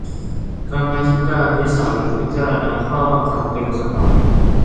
กรรมาธิการวิสามัญพิจารณาข้อบังคับเต็มสภา